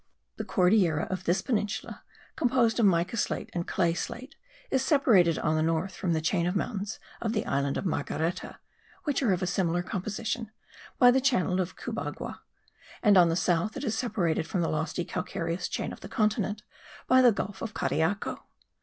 The cordillera of this peninsula, composed of mica slate and clay slate, is separated on the north from the chain of mountains of the island of Margareta (which are of a similar composition) by the channel of Cubagua; and on the south it is separated from the lofty calcareous chain of the continent, by the gulf of Cariaco.